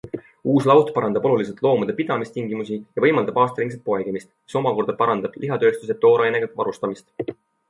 Uus laut parandab oluliselt loomade pidamistingimusi ja võimaldab aastaringset poegimist, mis omakorda parandab lihatööstuse toorainega varustamist.